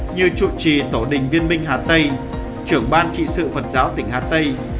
như chủ trì tổ đình viên minh hà tây trưởng ban trị sự phật giáo tỉnh hà tây